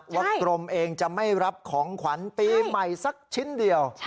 กรมเองจะไม่รับของขวัญปีใหม่สักชิ้นเดียว